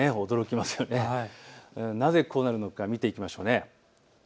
なぜこうなるのか見ていきましょう。